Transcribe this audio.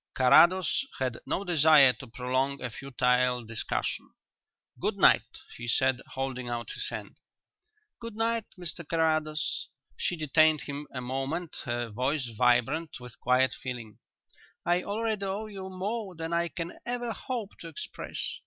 Carrados had no desire to prolong a futile discussion. "Good night," he said, holding out his hand. "Good night, Mr Carrados." She detained him a moment, her voice vibrant with quiet feeling. "I already owe you more than I can ever hope to express.